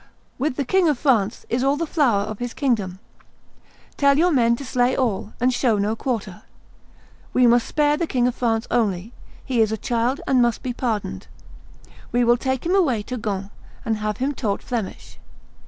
With the King of France is all the flower of his kingdom. Tell your men to slay all, and show no quarter. We must spare the King of France only; he is a child, and must be pardoned; we will take him away to Ghent, and have him taught Flemish.